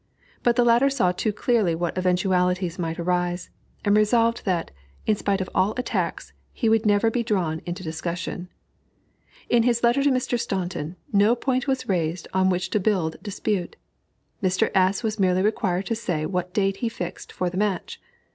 But the latter saw too clearly what eventualities might arise, and resolved that, in spite of all attacks, he would never be drawn into discussion. In his letter to Mr. Staunton, no point was raised on which to build dispute; Mr. S. was merely required to say what date he fixed for the match.